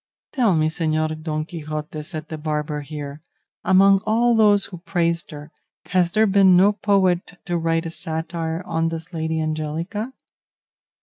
"Tell me, Señor Don Quixote," said the barber here, "among all those who praised her, has there been no poet to write a satire on this Lady Angelica?"